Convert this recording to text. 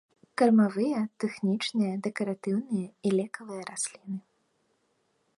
Кармавыя, тэхнічныя, дэкаратыўныя і лекавыя расліны.